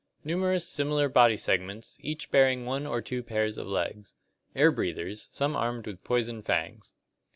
Numerous similar body segments, each bear ing one or two pairs of legs. Air breathers, some armed with poison fangs.